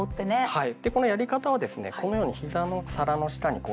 はい。